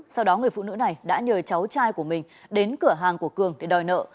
sau đó người phụ nữ này đã nhờ cháu trai của mình đến cửa hàng của cường để đòi nợ